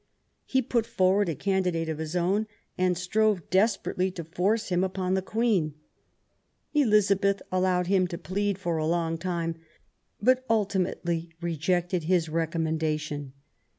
He put forward a candidate of his own, and strove desperately to force him upon the Queen. Elizabeth allowed him to plead for a long time, but ultimately rejected his recommendation.